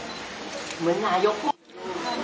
สวัสดีครับสวัสดีครับ